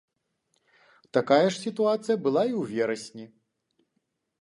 Такая ж сітуацыя была і ў верасні.